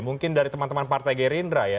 mungkin dari teman teman partai gerindra ya